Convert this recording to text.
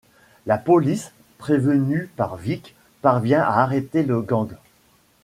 La police prévenue par Vic parvient à arrêter le gang.